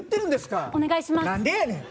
何でやねん！